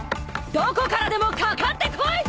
どこからでもかかってこい！